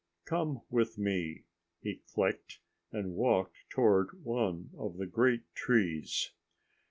"Come with me," he clicked, and walked toward one of the great trees.